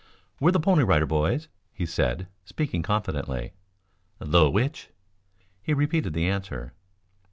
"We're the Pony Rider Boys," he said, speaking confidently. "The which?" He repeated his answer.